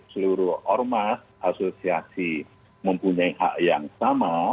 seluruh ormas asosiasi mempunyai hak yang sama